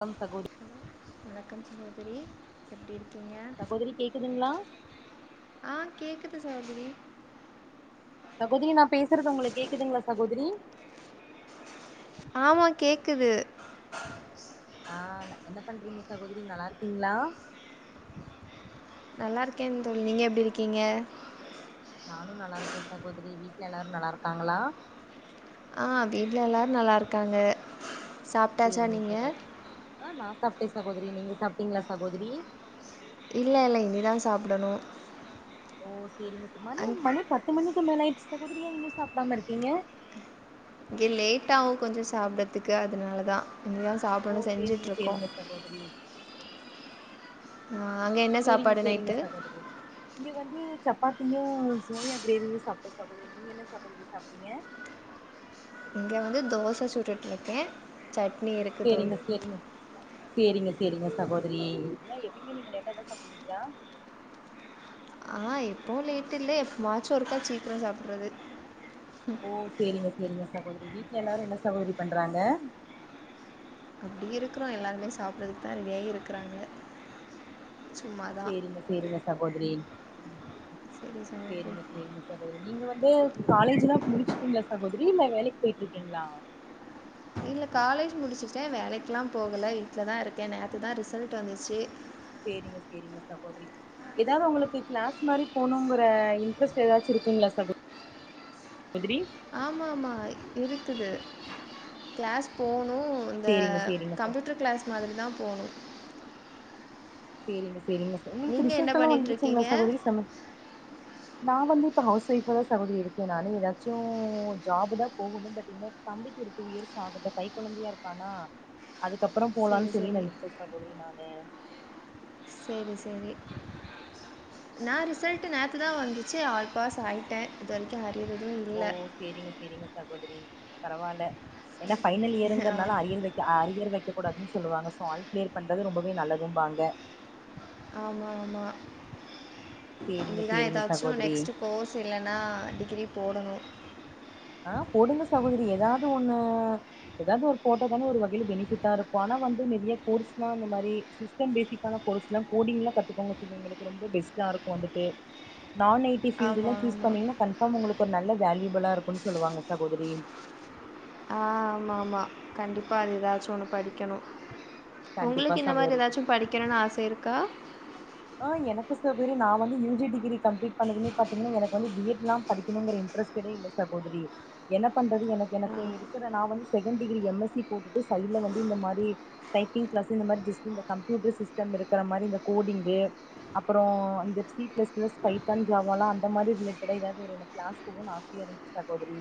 Come சகோ வணக்கம் சகோதரி எப்டி இருக்கீங்க கோதரி கேக்குதுங்ளா ஆ கேக்குது சகோதரி சகோதரி நா பேசறது உங்களுக் கேக்குதுங்ளா சகோதரி ஆமா கேக்குது ஆ ந என்ன பண்றீங்க சகோதரி நல்லாருக்கீங்ளா நல்லாருக்கே தோழி நீங்க எப்டி இருக்கீங்க நானு நல்லாருக்கே சகோதரி வீட்ல எல்லாரு நல்லாருக்காங்ளா ஆ வீட்ல எல்லாரு நல்லாருக்காங்க சேரிங்க சகோத் ஆ நா சாப்ட்டே சகோதரி நீங்க சாப்ட்டீங்ளா சகோதரி இல்ல இல்ல இனிதா சாப்டணு ஓ சேரிங்க ஸ் மணி அங் மணி பத்து மணிக்கு மேல ஆயிர்ச்சு சகோதரி ஏ இன்னு சாப்டாம இருக்கீங்க இங்க லேட்டாவு கொஞ்ச சாப்ட்றத்துக்கு அதுனால தா இனிதா ஓ சாப்டணு சேரிங்க செஞ்சுட்ருக்கோ சேரிங்க சகோதரி ஆ அங்க என்ன சேரிங்க சாப்பாடு சேரிங்க நைட்டு சகோதரி இங்க வந்து சப்பாத்தியு சோயா கிரேவியு சாப்ட்ட சகோதரி நீங்க என்ன சகோதரி சாப்ட்டீங்க இங்க வந்து தோச சுட்டுட்ருக்கே சட்னி இருக் சேரிங்க சேரிங்க சேரிங்க சேரிங்க சகோதரி ஏ எப்பயுமே நீங்க லேட்ட தா சாப்டுவீங்ளா ஆ எப்பவு லேட் இல்ல எப்பமாச்சு ஒருக்கா சீக்கிர சாப்பிட்றது ஓ சேரிங்க சேரிங்க சகோதரி வீட்டல எல்லாரு என்ன சகோதரி பண்றாங்க அப்டி இருக்குறோ எல்லாருமே சாப்பிட்றதுக்கு தா ரெடியாகி இருக்குறாங்க சேரிங்க சேரிங்க சகோதரி சரி சரி சேரிங்க சேரிங்க சகோ நீங்க வந்து காலேஜ்லா முடிச்சுட்டீங்ளா சகோதரி இல்ல வேலைக்கு போயிட்ருக்கீங்ளா இல்ல காலேஜ் முடிச்சுட்டே வேலைக்குலா போகல வீட்ல தா இருக்கே நேத்து தா ரிசல்ட் வந்துச்சு சேரிங்க சேரிங்க சகோ எதாவ்து ஒங்களுக்கு கிளாஸ் மாரி போனுங்குற இன்ட்ரெஸ்ட் எதாச்சு இருக்குங்ளா சகோ கோதிரி ஆமாம்மா இருக்குது கிளாஸ் போணு இந்த சேரிங்க சேரிங்க ச கம்ப்யூட்டர் கிளாஸ் மாதிரி தா போணு சேரிங்க சேரிங்களா சாகோ உங்களுக்கு நீங்கள் என்ன ரிசல்டெல்லா வந்துருச்சுங்ளா பண்ணிகிட்ருக்கீங்க சகோதரி செம நா வந்து இப்ப ஹவுஸ் ஒய்ஃப தா சகோதிரி இருக்கே நானு எதாச்சு ஜாப்பு தா போகணு பட் இன்னு தம்பிக்கு ஒரு டூ இயர்ஸ் அகட்டு கைக்கொழந்தையா இருக்கானா அதுக்கப்பற சரி போலானு சொல்லி சரி நெனைக்கிறே சகோதரி நானு சேரி சேரி நா ரிசல்ட்டு நேத்து தா வந்துச்சு ஆல் பாஸ் ஆயிட்டே இது வரைக்கு அறியர் எதுவு ஓ இல்ல சேரிங்க சேரிங்க சகோதரி பரவால்ல ஏனா ஃபைனல் ஆ இயருங்கிறதுனால அறியல் வெக் இ அறியர் வெக்க கூடாதுன் சொல்லுவாங்க சோ ஆல் கிளியர் பண்றது ரொம்பவே நல்லதும்பாங்க ஆமாம்மா சேரிங்க இனிதா சேரிங்க எதாச்சு சகோதரி நெக்ஸ்ட்டு கோர்ஸ் இல்லனா டிகிரி போடணு ஆ போடுங்க சகோதரி எதாவ்து ஒன்னு எதாவ்து ஒரு போட்ட தான ஒரு வகையைல பெனிஃபிட்டா இருக்கு ஆனா வந்து நெறையா கோர்ஸ்லா இந்த மாரி சிஸ் ஸ்டம் பேசிக்கான கோர்ஸ்லா கோடிங்லா கத்துக்கோங்க இது ஒங்களுக்கு ரொம்ப பெஸ்ட்டா இருக்கு வந்துட்டு நான் ஐ டி டி ஃபீல்டுலா ஆமாம் சூஸ் ஆமாம் பண்ணீங்கனா கன்பார்ம் உங்களுக்கு ஒரு நல்ல வேல்யூபலா இருக்குன்னு சொல்லுவாங்க சகோதரி ஆ ஆமாம்மா கண்டிப்பா அது எதாச்சு ஒன்னு படிக்கணு கண்டிப்பா ஒங்களுக்கு இந்த மாரி சகோதரி எதாச்சு படிக்கணுனு ஆச இருக்கா ஆ எனக்கு சகோத்ரி நா வந்து யூ ஜி டிகிர கம்ப்ளீட் பண்ணதுமே பாத்தீங்னா எனக்கு வந்து பி எட் லா படிக்கணுங்கிற இன்ட்ரஸ்டடே இல்ல சகோதரி என்ன பண்றது எனக்கு எனக்கு எடுக்குற நா வந்து second degree M S C போட்டுட்டு சைட்ல வந்து இந்த மாரி டைப்பிங் கிளாஸு இந்த மாரி ஜஸ்ட் இந்த கம்ப்யூட்டர் சிஸ்டம் இருக்குற மாரி இந்த கோடிங்கு அப்பறோ இந்த சி பிளஸ் பிளஸ் பைத்தான் ஜாவலா அந்த மாரி ரிலேட்டட எதாவ்து ஒரு எனக்கு கிளாஸ் போகணுன் ஆசையா இருந்ச் கே சகோதரி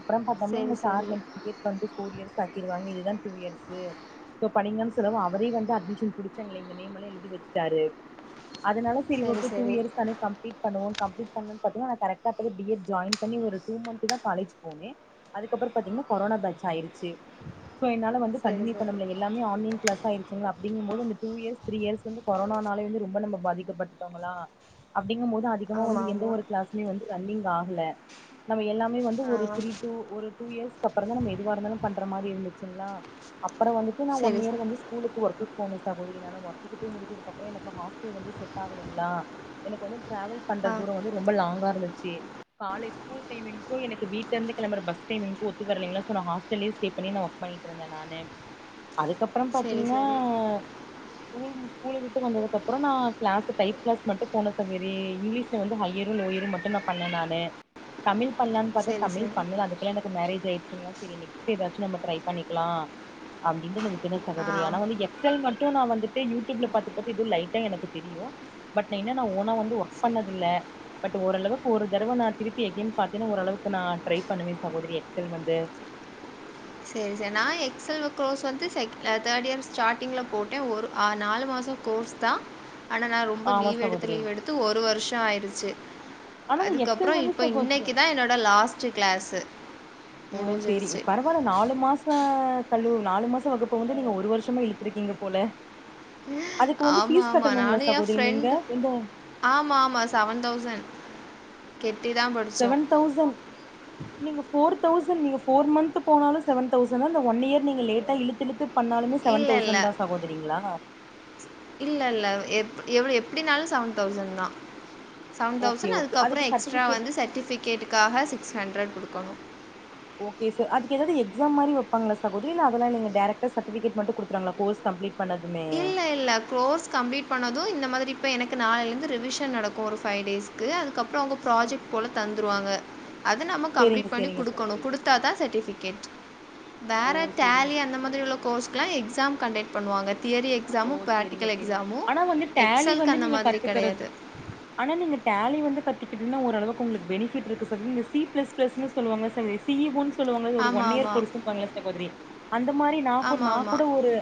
அப்பறம் பாத்தம்னா சரி எங்க சரி சார் வந்து திட்டீட் வந்து ஃபோர் இயர்ஸ் ஆச்சு இது வாங்க இதுதா டூ இயர்ஸு சோ படிங்கன் சொல்லவு அவரே வந்து அட்மிஷன் புடிச்சு அங்களே எங்க நேம் எல்லா எழுதி வச்சுட்டாரு அதனால செரி சரி ஓகே டூ சரி இயர்ஸ் தானே கம்ப்ளீட் பண்ணுவோன் கம்ப்ளீட் பண்ணுன் பாத்தீங்னா நா கரெக்டா அப்பதா பி எட் ஜாயின் பண்ணி ஒரு டூ மந்த்து தா காலேஜ் போனே அதுக்கப்பற பாத்தீங்னா கொரோனா பேஜ் ஆயிருச்சு சோ என்னால வந் சரி கண்டியூ பண்ண சரி முடில எல்லாமே ஆன்லைன் கிளாஸ்ஸா அப்டிங் போது ட்உ இயர்ஸ் த்ரீ இயர்ஸ் வந்து கொரோனால வந் நம்ப பாதிக்கப்பட்டோங்களா அப்டிங்கும் போது அதிகமா வந்து ஆமாம் எந்த ஆமாம் ஒரு கிளாஸ்சும் வந்து ரன்னிங் ஆகல நம்ம எல்லாமே வந்து ஒரு ஆ த்ரீ ட்உ ஒரு ட்உ இயர்ஸ்கு அப்புறம் தா நம்ப எதுவா இருந்தாலு பண்ற மாரி இருந்துச்சுங்ளா அப்புறம் வந்துட்டு நான் ஒன் சரி இயர் சரி வந்து ஸ்குலுக்கு ஒர்க்கு போனே சகோதரி நா ஒர்க்குக் போயி முடிச்சதுக்கப்புற எனக்கு ஹாஸ் வந்து செட் ஆகலைங்களா எனக்கு வந்து ட்ரெவல் பண்ற ஆ தூரம் வந்து ரொம்ப லாங்கா இருந்துச்சு காலேக்கு டீமிக்கும் எனக்கு வீட்ல இருந்து கெளம்ர பஸ் டைமிங்க ஒத்து வர்லைங்களா சோ நா ஹாஸ்டல்ல ஸ்டே பண்ணி நா ஒர்க் பண்ணிட் ட்ருந்தேன் நானு அதுக்கப் றம் சரி பாத்தீங்கனா சரி ஸ்கூல் மு ஸ்கூல் விட்டு வந்தது அப் புறம் நா க்ளாஸு டைப் க்ளாஸ் மட்டும் போன சங்கரி இங்கிலீஷ்ல வந்து ஹையரும் லோயரும் மட்டு நா பண்ணேன் நானு தமிழ் பண்ணலானு பாத்தே சரி தமிழ் சரி பண்ல அதுக்குள்ள எனக்கு மேரேஜ் ஆயி ச்சு அதா நெக்ஸ்ட் நம்ம ட்ரை பண்ணிக்கலா அப்டின்டு நா விட்டுடே ஆ சகோரி ஆனா வந்து எக் சல் மட்டு நா வந்துட்டு யூடியூப்ல பாத்து பாத்து எதோ லைட்டா எனக்கு தெரியும் பட் நான் என்னன்னா ஓனா வந்து ஒர்க் சரி பண்ணது இல்ல பட் ஓரளவுக்கு ஒரு தரவ நா திருப்பி எகெய்ன் பாத்தீனா ஓரளவுக்கு நா ட்ரை பண்ணுவே சகோதரி எக்செல் வந்து சரி சரி நா எக்செல் கோர்ஸ் வந்து செக் தேர்ட் இயர் ஸ்டார்ட்டிங்கில் போட்டேன் ஒரு நாலு மாசம் கோர்ஸ் தா ஆனா நா ரொம்ப ஆமா லீவ் எடுத்து சகோதரி லீவ் எடுத்து ஒரு வருஷம் ஆயிடுச்சு ஆனா இந்த எக்ஸல் அதுக்கப்புறம் வந்து இப்ப சகோதரி இன்னைக்குதா என்னோட லாஸ்ட் கிளாஸு ஓ செரி முடிஞ்சிருச்சு பர ல நாலு மாசம் தழு நாலு மாசம் வகுப்பு வந்து நீங்க ஒரு வருஷமா இழுத்துருக்கீங்க போல அதுக்கு வந்து ஆமாம் பீஸ் கட்டணுங்களா சகோதரி நீங்க இந்த ஆமா ஆமா செவன் தௌசண்ட் கெட்டி தா படு செவன் தௌசண்ட் நீங்க ஃபோர் தௌசண்ட் நீங்க ஃபோர் மந்த்த் போனாலு செவன் தௌசண்னா இந்த ஒன் இயர் நீங்க லேட்டாக இழுத்துழுத்து பண்ணாலுமே செவன் இல்லை தௌசண்ட் தான் சகோதரீங்ளா இல்ல இல்ல எப் எப்டினாலு செவன் தௌசண்ட் தான் செவன் ஓகே தௌசண்ட் ஓகே அதுக்கப்றோ அதுக்கு எக்ஸ்ட்ரா சர்டிபிகேட் வந்து சர்டிஃபிகேட்டுக்காக சிக்ஸ் ஹண்ட்ரட் கொடுக்கணும் ஓகே ச அதுக்கு ஏதாவது எக்ஸாம் மாி வப்பாங்களாக சகோதரி இல்ல அதல்லா இல்ல ங்க டைரக்டா சர்டிபிகேட் மட்டும் கொடுத்துறுவாங்ளா கோர்ஸ் கம்ப்ளீட் பண்ணதுமே இல்ல ல்ல கோர்ஸ் கம்ப்ளீட் பண்ணதும் இந்த மாதிரி இப்ப எனக்கு நாளைல இருந்து ரிவிஷன் நடக்கும் ஒரு ப்ஹை டேஸ் க்கு அதுக்கபுறம் அவங்க ஆ ப்ராஜெக்ட் போல தந்துருவாங்க அத நம்ம சேரிங்க கம்ப்லீட் பண்ணி சேரிங்க குடுக்கணும் சகோதரி குடு த்தா தா சர்ட்டிபிகேட் ஓ வேற சேரிங்க டேலி அந்த மாதிரி உள்ள க் கோர்ஸ்க்கெல்லா எக்ஸாம் கண்டெக் பண்ணுவா தியரி எக் ஓ ஸாமும் சேரிங்க ப்ராக்டிக்கல் சேரிங்க எக்ஸாமும் ஆனா வந்து டேலி எக்செல்கு வந்து அந்த நீங்க மாதிரி கத்துக்கறது கெடையாது ஆனா நீங்க டேலி வந்து கத்திக்கிட்டுன்னா ஓரளவுக்கு உங்களுக் பெனிபிட் இருக்கு சி பிளஸ் பிளஸ்சு சொல்வாங்க சங் தீவுன் சொல்லுவங்கள ஒரு ஆமாம் ஒன் இயர் ஆமாம் கோர்ஸ்சுனு சொல்லுவாங்ளே சகோதரி அந்த மாரி நா கூ ஆமாம் நா கூட ஆமாம் ஒரு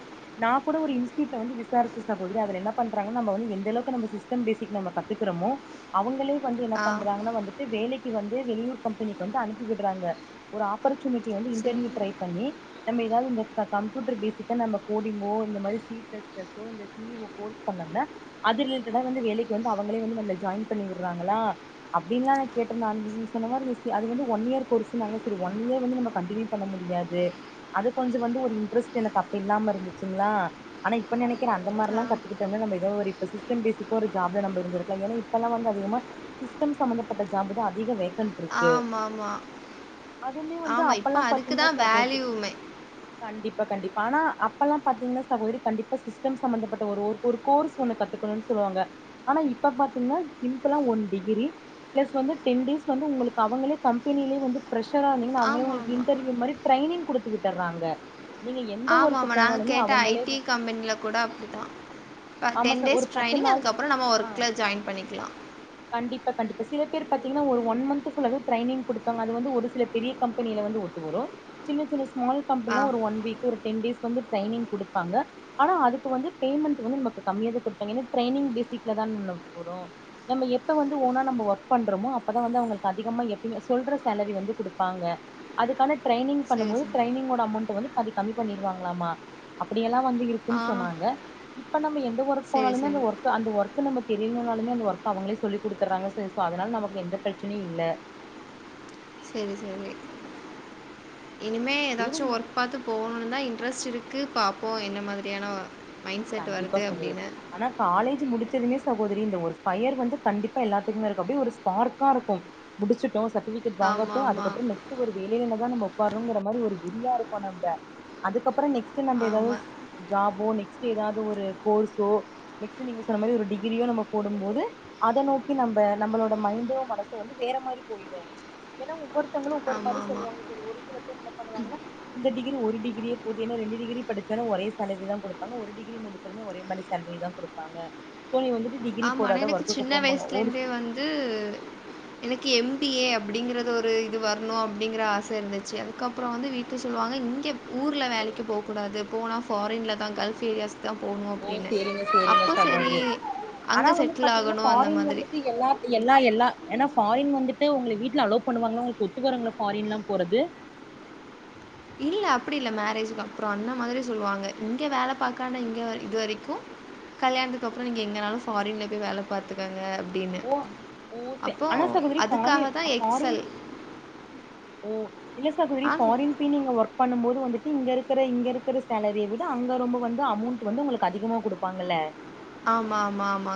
நான் கூட ஒரு இன் ஸ்ட்யூட்ல வந்து விசாரிச்ச சகோதரி அதுல என்ன பண்றாங்க நம்ம வந்து எந்தளவு நம்ம சிஸ்டம் பேசிக் நம்ம கத்துக்றோமோ அவங்களே வந்து என்ன ஆ பண்றாங்கனா வந்துட்டு வேலைக்கு வந்து வெளியூர் கம்பெனிக்கு வந்து அனுப்பி விடுறாங்க ஒரு ஆப்பர்ச்சுனிட்டி வந்து சரி. இன்டர்வியூ ட்ரை பண்ணி நம்ம எதாது இந்த கம்ப்யூட்டர் பேஸிக்கா நம்ம கோடிங்கோ இந்த மாரி சி எஸ் எஸ் ஓ இந்த சீ ஈ ஓ கோர்ஸ் பண்ணோன அது ரிலேட்டடா வந்து வேலக்கு வந்து அவங்களே வந்து நம்ல ஜாயின் பண்ணி விடுறாங்களா அப்டின்லா நா கேட்டுந்த நீங்க சொன்ன மாரி அது வந்து ஒன் இயர் கோர்ஸ்ன்னாங்க சரி ஒன் இயர் வந்து கண்டினி யூ பண்ண முடியாது அது கொஞ்சம் வந்து ஒரு இன்ட்ரெஸ்ட் எனக்கு அப்ப இல்லாம இருந்துச்சுங்களா ஆனா இப்ப நினைக்றே அந்த ஆ. மார்லா கத்துக்கிட்டம்னா நம்ம ஏதோ ஒரு ஸ்டம் பேஸிக்கா ஒரு ஜாப்ல நம்ம இருந்திருக்கலா ஏனா இப்பல்லா வந்து அதிகமா சிஸ்டம் சம்பந்தப்பட்ட ஜாப் தா அதிக வேகண்ட் ட்ருக்கு ஆமாமா. அதுமே வந்து ஆமா. இப்ப அப்பல்லா அதுக்கு பாத்தீங்கன்னா தான் சகோதரி வேல்யூமே. கண்டிப்பா கண்டிப்பா ஆனா அப்பல்லா பாத்தீங்கன்னா சகோதரி கண்டிப்பா சிஸ்டம் சம்பந்தப்பட்ட ஒரு ஒரு கோர்ஸ் ஒண்ணு கத்துக்கணுன் சொல்லுவாங்க ஆனா இப்ப பாத்தீங்ன்னா சிம்பிளா ஒன் டிகிரி ப்ளஸ் வந்து டென் டேஸ் வந்து உங்களுக்கு அவங்களே கம்பெனிலே வந்து ஃப்ரஷ்ஷரா இருந்திங்கன்னா அவுங்களே உங்களுக்கு ஆமாமா. இன்டர்வியூ மாரி ட்ரைனிங் குடுத்து விட்டறாங்க நீங்க எந்த ஒர்க்கு ஆமாமா. நாங்க போனாலுமே கேட்ட ஐடி அவங்களேதா கம்பெனில கூட அப்டித்தா ஆமா டென் சார் டேஸ் ஒரு பத்து ட்ரைனிங் நாள் அதுக்கப்றோ நம்ம ஆ ஒர்க்ல ஜாயின் பண்ணிக்லா கண்டிப்பா கண்டிப்பா சில பேர் பாத்தீங்கன்னா ஒரு ஒன் மன்த் ஃபுல்லாவே ட்ரைனிங் குடுப்பாங்க அது வந்து ஒரு சில பெரிய கம்பெனில வந் து வரு சின்ன சின்ன ஸ்மால் ஆ. கம்பெனிலா ஒரு ஒன் வீக்கு ஒரு டென் டேஸ்க்கு வந்து ட்ரைனிங் குடுப்பாங்க ஆனா அதுக்கு வந்து பேமெண்ட் வந்து நமக்கு கம்மியாதா குடுப்பாங்க ஏன்னா ட்ரைனிங் பேஸிக்ல தான நம்ம போறோ நம்ம எப்ப வந்து ஓனா நம்ப ஒர்க் பண்றோமோ அப்பதா வந்து அவுங்களுக்கு அதிகமா எப்பயுமே சொல்ற சேலரி வந்து குடுப்பாங்க அதுக்கான ட்ரைனிங் சரி, பண்ணம்போது சரி. ட்ரைனிங்கோட அமௌண்ட் வந்து பாதி கம்மி பண்ணிருவாங்களாமா அப்டியெல்லா வந்து இருக் ஆ. குன் சொன்னாங்க இப்ப நம்ம எந்த ஒர்க் சரி, போனாலுமே அந்த சரி. ஒர்க் ஸோ அந்த ஒர்க்கு நம்ம தெரிலனாலுமே அந்த ஒர்க் அவங்களே சொல்லி குடுத்துறாங்க செரி ஸோ அதனால நமக்கு எந்த பிரச்சனையு இல்ல சேரி சேரி இனிமே எதாச்சு சேரிங்க ஒர்க் பாத்து போணுன் தா இன்ட்ரெஸ்ட் இருக்கு பாப்போ என்ன மாதிரியான மைண்ட் செட் கண்டிப்பா வருது சகோதரி அப்படின்னு. ஆனா காலேஜ் முடிச்சதுமே சகோதரி இந்த ஒரு ஃபயர் வந்து கண்டிப்பா எல்லாத்துக்குமே இருக்கு அப்டியே ஒரு ஸ்பார்க்காருக்கு முடிச்சுட்டோ சர்டிஃபிகேட் வாங்கட்டு ஆமாமா. அதுக்கப்றோ நெக் ஸ்ட்டு ஒரு வேலைலதா நம்ப ஒக்காரோங்ற மாரி ஒரு வெறியா இருப்போ நம்ப அதுக்கப்றோ நெக்ஸ் ட்டு நம்ப எதாது ஆமா. ஜாபோ நெக்ஸ்ட்டு எதாவ்து ஒரு கோர்ஸோ நெக்ஸ்ட்டு நீங்க சொன்ன மாரி ஒரு டிகிரியோ நம்ம போடும்போது அத நோக்கி நம்ப நம்பளோட மைன்டு மனசு வந்து வேற மாரி போய்ரு ஏனா ஒவ்வொருத்தவங்களு ஒவ்வொரு மாரி ஆமாமா. சொல்லுவாங்க செரி ஒரு சில பேர் என்ன பண்ணுவாங்கனா இந்த டிகிரி ஒரு டிகிரியே போது என்னா ரெண்டு டிகிரி படிச்சாலு ஒரே சேலரி தா குடுப் பாங்க ஒரு டிகிரி முடிச்சாலுமே ஒரே மாரி சேல்ரி தா குடுப்பாங்க ஸோ நீ வந்துட்டு டிகிரி ஆமா ஆனா போடாத எனக்கு ஒர்க்குக்கு சின்ன போம்பாங்க ஒரு வயசுலேந்தே வந்து எனக்கு எம் பி ஏ அப்டிங்கறது ஒரு இது வர்ணுஅப்டிங்கற ஆச இருந்துச்சு அதுக்க ப்றோ வந்து வீட்ல சொல்வாங்க இங்க ஊர்ல வேலைக்கு போக்கூடாது போனா ஃபாரின்ல தா கல்ஃப் ஏரியாஸ் தா போணு ஓ அப்டின்னு சேரிங்க சேரிங்க அப்ப சேரி சகோதரி ஆனா அங்க வந்து செட்டில் பாத்தீங்கன்னா ஆகணு அந்த ஃபாரின் மாதிரி வந்துட்டு எல்லா எல்லா எல்லா ஏனா ஃபாரின் வந்துட்டு உங்ள வீட்ல அலோவ் பண்ணுவாங்களா உங்ளுக்கு ஒத்து வருங்ளா ஃபாரின்லா போறது இல்ல அப்டி இல்ல மேரேஜுக்கப்றோ அந்த மாரி சொல்லுவாங்க இங்க வேல பாக்லான்னா இங்க இது வரைக்கு கல்யாணத்துக்கப்றோ நீங்க எங்கனாலு ஃபாரின்ல போய் வேல பாத்துக்கங்க அப்டினு ஓ ஓ சே அப்போ ஆனா சகோதரி அதுக்காக ஃபாரின் தா ஃபாரின் எக்ஸல் ஓ இல்ல சகோதரி ஆ ஃபாரின் நீங்க ஒர்க் பண்ணும் போது வந்துட்டு இங்க இருக்ற இங்க இருக்ற சேலரிய விட அங்க ரொம்ப வந்து அமௌண்ட் வந்து உங்ளுக்கு அதிகமா குடுப் பாங்கல ஆமாமாமா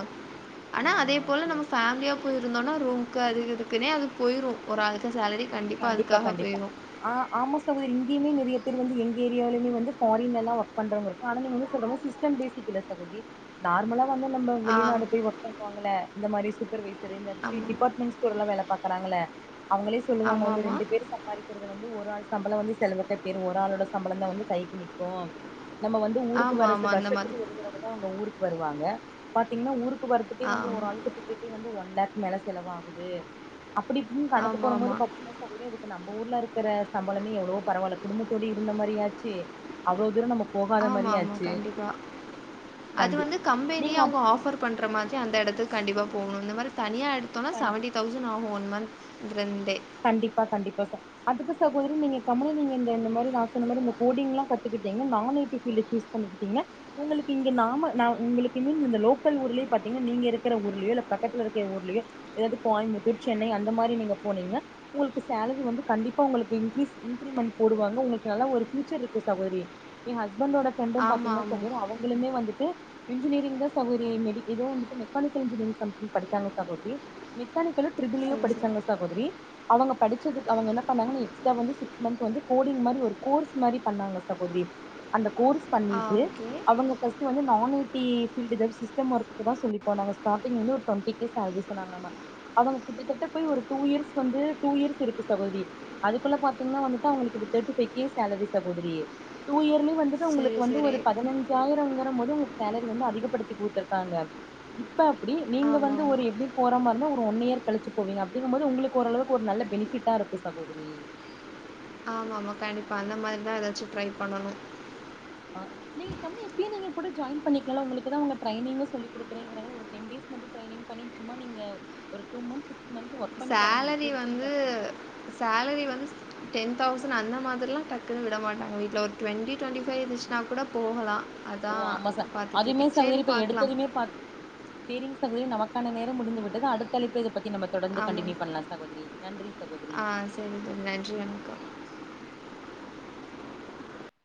ஆனா அதே ஆ போல சரி நம்ம ஃபேம்லியா போயிருந்தோனா ரூம்க்கு அதுக்கு இதுக்குனே அது போயிரு ஒரு ஆளுக்கா சேலரி கண்டிப்பா அதுக்காக போயிரு ஆ ஆமா சகோதரி இங்கியுமே நெறய பேர் வந்து எங்க ஏரியாலையுமே வந்து ஃபாரின்லல்லா ஒர்க் பண்றவங்க இ ஆனா நீங்க வந்து சொல்ற மாரி சிஸ்டம் பேஸிக் இல்ல சகோத்ரி நார்மலா வந்து நம்ம ஆ, வெளிநாடு போய் ஒர்க் பன்னுவாங்கல்ல இந்த மாரி சூப்பர்வைசரு இந்த சி ஆமா. டிபார்ட்மெண்ட்ஸ் கூடல்லா வேல பாக்கறாங்கள்ள அவுங்களே சொல்லுவாங்க இன்னு ஆமாமா. ரெண்டு பேர் சம்பாரி கிறது வந்து ஒரு ஆள் சம்பளோ வந்து செலவுக்கே போயிரு ஒரு ஆளோட சம்பளந்தா வந்து கைக்கு நிக்கு நம்ம வந்து ஊருக்கு வர்றது ஆமாமா. அந்த மாதிரி. வருஷத்துக்கு ஒரு தரவதா அவுங்க ஊருக்கு வருவாங்க பாத்தீங்கனா ஊருக்கு வர்றதுக்கே ஆ. வந்து ஒரு ஆளுக்கு டிக்கெட்டே வந்து ஒன் லேக் மேல செலவாகுது அப்டி இப்டின்னு கணக்கு போடும்போது ஆமாமா. இல்ல சகோதரி இதுக்கு நம்ம ஊர்ல இருக்கற சம்பளமே எவ்ளவோ பரவால குடும்பத்தோடயு இருந்த மாரி ஆச்சு அவ்ளோ தூரோ நம்ம போகாத ஆமாமா. மாரியாச்சு கண்டிப்பா. அது கண்டி வந்து கம்பெனியே நீங்க அது அவுங்க ஆஃபர் பண்ற மாதிரி அந்த எடத்துக்கு கண்டிப்பா போகுனு இந்த மாரி தனியா எடுத்தோனா கண்டி செவன்டி தௌச இ நாங்க ஒன் மந்த் ரெண்டு கண்டிப்பா கண்டிப்பா ச அதுக்கு சகோதரி நீங்க கம்முனு நீங்க இந்த இந்த மாரி நா சொன்ன மாரி இந்த கோடிங்கெல்லா கத்துக்கிட்டீங்கனா நானூத்தி சில்லி சூஸ் பண்ணிக்கிட்டீங்க உங்களுக்கு இங்க நாம நா உங்களுக்கு இன்னு இந்த லோக்கல் ஊர்லயே பாத்தீனா நீங்க இருக்கிற ஊர்லயோ இல்ல பக்கத்துல இருக்கிற ஊர்லயோ எதாவது கோயம்புத்தூர், சென்னை அந்த மாரி நீங்க போனீங்கனா உங்களுக்கு சேலரி வந்து கண்டிப்பா உங்களுக்கு இன்கிரீஸ் இன்கிரிமெண்ட் போடுவாங்க உங்களுக்கு நல்ல ஒரு ஃபூயூச்சர் இருக்கு சகோதரி என் ஹஸ்பண்டோட ஃப்ரெண்டு ஆமா, பாத்தீங்கன்னா ஆமா. சகோதரி அவுங்களுமே வந்துட்டு இன்ஜினியரிங்தா சகோதரி மெடி எதோ வந்துட்டு மெக்கானிக்கல் இன்ஜினியரிங் சம்திங் படிச்சாங்க சகோதரி மெக்கானிக்கலு ட்ரிள் ஈயு சரி, சரி. படிச்சாங்க சகோதரி அவுங்க படிச்சதுக்கு அவுங்க என்ன பண்ணாங்கனா எக்ஸ்ட்ரா வந்து சிக்ஸ் மந்த் வந்து கோடிங் மாரி ஒரு கோர்ஸ் மாரி பண்ணாங்க சகோதரி அந்த கோர்ஸ் ஆ, பண்ணிட்டு ஓகே. அவுங்க ஃபர்ஸ்ட் வந்து நானூத்தி ஃப்ல்டுதா சிஸ்டம் ஒர்க்குதா சொல்லி போனா ஸ்டார்டிங் ஒரு டுவெண்டி கே சாலரி சொன்னாங்கலாமா அவுங்க கிட்டத்தட்ட போய் ஒரு டூ இயர்ஸ் வந்து டூ இயர்ஸ் இருக்கு சகோதரி அதுக்குள்ள பாத்தீங்கன்னா வந்துட்டு அவுங்களுக்கு த்தேர்ட்டி ஃபைவ் கே சேலரி சகோதரி டூ இயர்லயே வந்து உங்களுக்கு சரி, வந்து சரி. ஒரு பதினஞ்சாயிரம்ங்கறம்போது உங்களுக்கு சேலரி வந்து அதிகப்படுத்தி குடுத்திருக்காங்க இப்ப அப்டி நீங்க வந்து ஒரு ஆமாமா. எப்டி போற மாரி இருந்தா ஒரு ஒன் இயர் கழிச்சு போவீங்க அப்டிங்கும்போது உங்ளுக்கு ஓரளவுக்கு ஒரு நல்லா பெனிஃபிட்டா இருக்கு சகோதரி ஆமாமா கண்டிப்பா அந்த மாரிதா எதாச்சு ட்ரை பண்ணணு ஆ நீங்க கம்மி டீ நகர் போட்டு ஜாயின் பண்ணிக்லா உங்களுக்குதா உங்க ட்ரைனீங் சொல்லி குடுக்கறேங்கறாங்கல்ல ஒரு டென் டேஸ் மட்டு ட்ரைனிங் பண்ணி சும்மா நீங்க ஒரு two months six month work பண்ணி பாருங்ளே சேலரி எப்டி இருக்குனு வந்து பாருங்க சேலரி வந்து டென் தௌசண்ட் அந்த மாதிரில்லா டக்குன்னு விட மாட்டாங்க வீட்ல ஒரு டுவெண்டி டுவெண்டி ஃவைவ் இருந்துச்சுனா கூட போகலா ஓ ஆமா சா அதுமே சகோதரி இப்ப பார்க்கலாம் எடுத்ததுமே பா சேரிங் சகோதரி நமக்கான நேரோ முடிந்து விட்டது அடுத்த அழைப்புல இத பத்தி நம்ம தொடர்ந்து ஆமாங்க கண்டினியூ பண்ணலா சகோதரி நன்றி சகோதரி ஆ சேரி தோழி நன்றி வணக்கம்